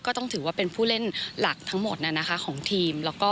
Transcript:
ก็ต้องถือว่าเป็นผู้เล่นหลักทั้งหมดของทีม